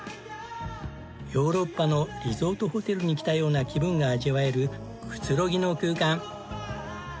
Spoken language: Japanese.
ヨーロッパのリゾートホテルに来たような気分が味わえるくつろぎの空間。